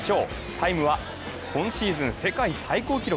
タイムは今シーズン世界最高記録。